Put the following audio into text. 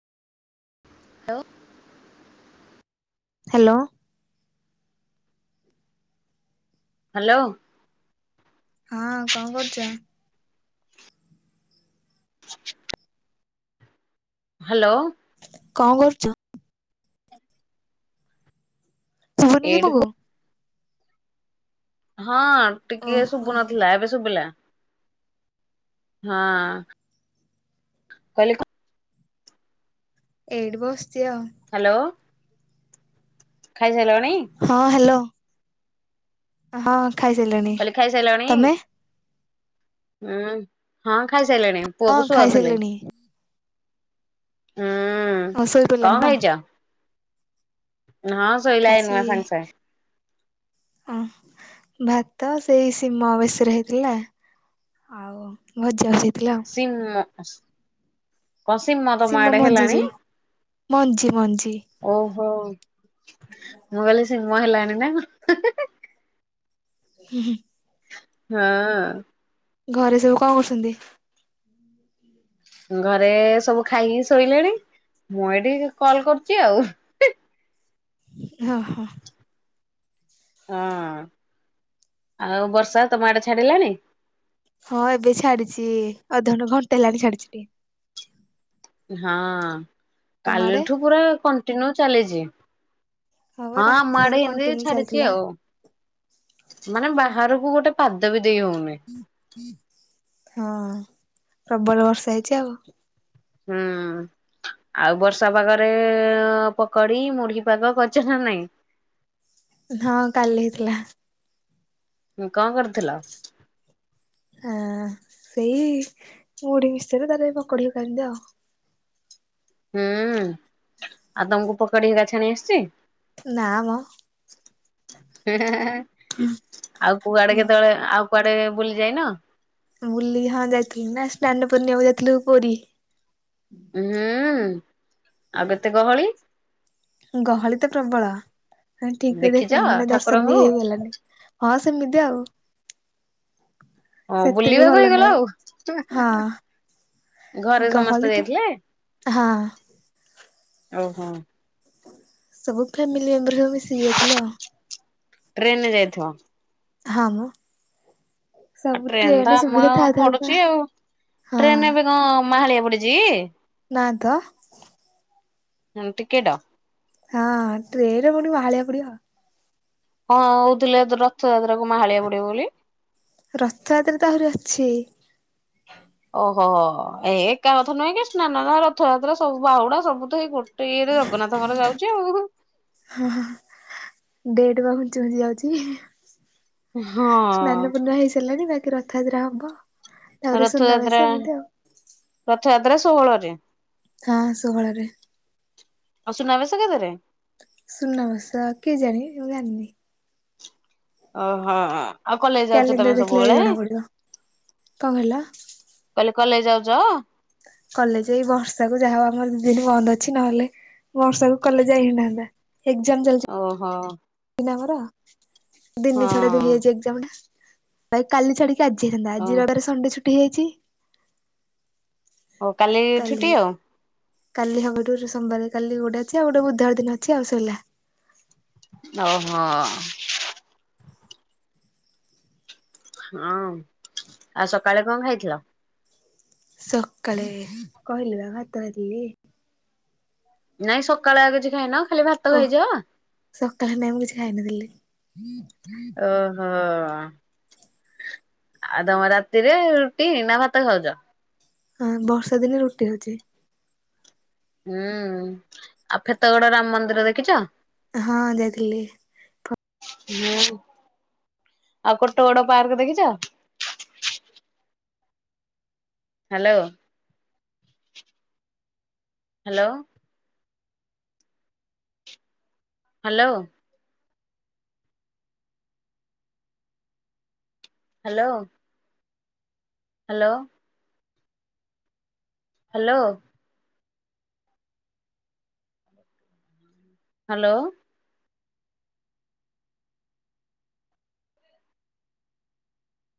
Hello hello. Hello. ହଁ କଁ କରୁଚ? ହାଲୋ। କଁ କରୁଚ? ଶୁବୁନିକି ମକୁ? ହଁ ଟିକେ ଓହୋ ଶୁଭୁ ନଥିଲା ଏବେ ଶୁଭିଲା। ହଁ କହିଲି ଏଇଠି ବସିଛି ଆଉ। ହାଲୋ। ଖାଇସାଇଲଣି? ହଁ ହାଲୋ ହଁ ଖାଇସାରିଲିଣି କହିଲି ଖାଇସାରିଲଣି ତମେ? ହୁଁ ହଁ ଖାଇସାଇଲେଣି ହଁ ପୁଅକୁ ଶୁଆଉଥିଲି। ଖାଇସାରିଲିଣି। ହୁଁ ଆଉ ଶୋଇପଡିଲାଣି କଣ ଖାଇଚ? ନାଁ ଖାଇଚି? ଓ ଭାତ ସେଇ ଶିମ ବେସର ହେଇଥିଲା। ଆଉ ଭଜା ଭଜି ହେଇଥିଲା ଆଉ। ଶିମ କଣ ଶିମ ତମ ଆଡେ ମଞ୍ଜି ହେଲାଣି? ଯୋଉ ମଞ୍ଜି ମଞ୍ଜି ଓହୋ ମୁଁ କହିଲି ଶିମ ହେଲାଣି ନାଁ କଣ? ହେଁ ହେଁ ହେଁ ହି ହିଁ। ହଁ ଘରେ ସବୁ କଣ କରୁଛନ୍ତି? ଘରେ ସବୁ ଖାଇକି ଶୋଇଲେଣି। ମୁଁ ଏଇଠି କଲ୍ କରୁଚି ଆଉ। ଅ ହ। ହଁ ଆଉ ବର୍ଷା ତମ ଆଡେ ଛାଡିଲାଣି? ହଁ ଏବେ ଛାଡିଚି। ଅଧଘଣ୍ଟେ ଘଣ୍ଟେ ହେଲାଣି ଛାଡିଚି ଟିକେ। ହଁ ତମ ଆଡେ? କାଲିଠୁ ପୁରା କଣ୍ଟିନ୍ୟୁ ଚାଲିଚି। ବା ହଁ ଆମ ରାତି ସାରା ଆଡେ ଏମତି କଣ୍ଟିନ୍ୟୁ ଛାଡିଚି ଚାଲିଥିଲା। ଆଉ ମାନେ ବାହାରୁକୁ ଗୋଟେ ପାଦ ବି ଦେଇ ହଉନି। ହଁ ପ୍ରବଳ ବର୍ଷା ହେଇଚି ଆଉ। ହୁଁ। ଆଉ ବର୍ଷା ପାଗରେ ଅଁ ପକୋଡି ମୁଢି ପାଗ କରିଚ ନା ନାଇଁ? ହଁ କାଲି ହେଇଥିଲା। ଉଁ କଁ କରୁଥିଲ? ଆଁ ସେଇ ମୁଢି ମିଶ୍ଚର ତାପରେ ପକୋଡି [unintelligible] ହୁଁ ଆଉ ତମୁକୁ ପକଡି ହେଗା ଛାଣି ଆସଚି? ନା ମ ହେଁ ହେଁ ହେଁ ହେଁ ଆଉ କୁଆଡେ କେତବେଳେ? ଆଉ କୁଆଡେ ବୁଲି ଯାଇନ? ବୁଲି ହଁ ଯାଇଥିଲି ନା ସ୍ନାନ ପୂର୍ଣ୍ଣିମାକୁ ଯାଇଥିଲୁ ପୁରୀ। ହୁଁ ଆଉ କେତେ ଗହଳି? ଗହଳି ତ ପ୍ରବଳ। ଠିକ ବି ଦେଖିଛ ଦେଖ ମାନେ ଦର୍ଶନ ଠାକୁରଙ୍କୁ? ବି ହେଇଗଲାନି। ହଁ ସେମିତି ଆଉ। ହଁ ସେତେ ବି ବୁଲିବାକୁ ଭଲ ହେଇଗଲା ନାହିଁ ଆଉ। ହେଁ ହେଁ ହଁ ହେଁ ଘରେ ଗହଳି ସମସ୍ତେ ତ ଯାଇଥିଲେ ହଁ ଓହୋଁ। ସବୁ ଫ୍ୟାମିଲି ମେମ୍ବର ସବୁ ମିଶିିକି ଯାଇଥିଲୁ ଆଉ। ଟ୍ରେନରେ ଯାଇଥିବ? ହା ମୋ। ଟ୍ରେନ୍ ତ ଆମ ସୁବିଧା ଥାଉ ଥାଉ କା ପଡ଼ୁଚି ଆଉ ହଁ ଟ୍ରେନ୍ ଏବେ କଣ ମାହାଳିଆ ପଡିଚି? ନାଁ ତ? ହୁଁ ଟିକେଟ ହଁ ଟ୍ରେନେ କୋଉଠି ମାହାଳିଆ ପଡିବ? ହଁ ହଉଥିଲେ ତ ରଥଯାତ୍ରା କୁ ମାହାଳିଆ ପଡିବ ବୋଲି। ରଥଯାତ୍ରା ତ ଆହୁରି ଅଛି। ଓହୋ ଏ ଏକା କଥା ନୁହେଁ କି ସ୍ନାନ ନା ରଥଯାତ୍ରା ସବୁ ବାହୁଡା ସବୁ ତ ଏଇ ଗୋଟ୍ ଟିଏ ତ ଜଗନ୍ନାଥଙ୍କ ର ଯାଉଚି ଆଉ ଉହୁ। ହଁ ହଁ ହଁ ଡେଟ୍ ବା ଘୁଞ୍ଚି ଘୁଞ୍ଚି ଯାଉଚି ଇ ଏ ହେଁ। ସ୍ନାନ ପୂର୍ଣ୍ଣ ହେଇସାରିଲାଣି ବାକି ରଥଯାତ୍ରା ହବ। ତାପରେ ରଥଯାତ୍ରା ସୁନାବେଶ ଏମିତି ଆଉ। ରଥଯାତ୍ରା ଷୋହଳରେ। ହଁ ଷୋହଳରେ ଆଉ ସୁନା ବେଶ କେତେରେ? ସୁନା ବେଶ କେଜାଣି ମୁଁ ଜାଣିନି। ଓହୋ, ଆଉ କଲେଜ ଯାଉଛ କ୍ୟାଲେଣ୍ଡର ତମେ ଦେଖିଲେ ଯାଇ ସବୁବେଳେ? ଜଣା ପଡିବ କଣ କହିଲ? କହିଲେ କଲେଜ ଯାଉଛ? କଲେଜ ଏଇ ବର୍ଷାକୁ ଯାହା ହଉ ଆମର ଦି ଦିନ ବନ୍ଦ ଅଛି ନହେଲେ ବର୍ଷାକୁ କଲେଜ ଯାଇ ହେଇନାହାନ୍ତା। ଏକ୍ଜାମ ଓହୋ ଚାଲିଚି ନା ଆମର! ହଁ ଦିନେ ଛଡା ଯୋ ଇଏ ଯେ ଏକ୍ଜାମ ଟା ଭାଇ କାଲି ଛାଡ଼ିକି ଆଜି ହେଇନ୍ତା ଓ ଆଜିର [unintelligible] ସଣ୍ଡେ ଛୁଟି ହେଇଯାଇଛି ହଉ କାଲି ଛୁଟି ଆଉ। କାଲି ହବାଠାରୁ ସୋମବାରେ କାଲି ଗୋଟେ ଅଛି ଆଉ ଗୋଟେ ବୁଧବାର ଦିନ ଅଛି ଆଉ ସଇଲା। ଓହୋ। ହଁ ଆଉ ସକାଳେ କଣ ଖାଇଥିଲ? ସକାଳେ କହିଲି ବା ଭାତ ଖାଇଥିଲି। ନାଇଁ ସକାଳେ ଆଗ କିଛି ଖାଇନ ଖାଲି ଭାତ ଖାଇଚ? ସକାଳ ହେଲେ ମୁଁ କିଛି ଖାଇ ନଥିଲି। ହଁ ଆଉ ତମ ରାତିରେ ରୁଟି ନା ଭାତ ଖାଉଛ? ହଁ ବର୍ଷା ଦିନେ ରୁଟି ହଉଛି। ହୁଁ ଆଉ ଫେତଗଡ ରାମ ମନ୍ଦିର ଦେଖିଛ? ହଁ ଯାଇଥିଲି। ହୁଁ ଆଉ କୋଟଗଡ ପାର୍କ ଦେଖିଛ? Hello. Hello. Hello. Hello. Hello. Hello. Hello.